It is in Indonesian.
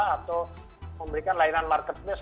atau memberikan layanan marketplace